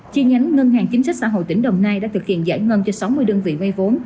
chi nhánh ngân hàng chính sách xã hội tỉnh đồng nai đã thực hiện giải ngân cho sáu mươi đơn vị vay vốn